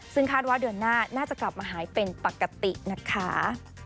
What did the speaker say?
ซึ่งคาดว่าเดือนหน้าน่าจะกลับมาหายเป็นปกตินะคะ